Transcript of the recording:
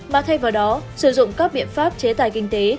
mà thay vào đó sử dụng các biện pháp chế tài kinh tế